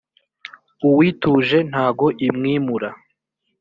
uwituje ntago imwimura.